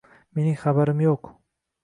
Mening xabarim yoʻq edi.